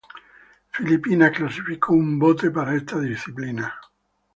Filipinas clasificó un bote para esta disciplina.